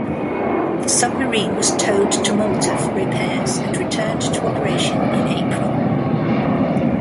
The submarine was towed to Malta for repairs and returned to operation in April.